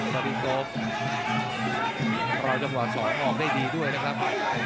บริโกฟรอจังหวะสองออกได้ดีด้วยนะครับ